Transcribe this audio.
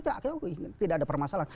tidak ada permasalahan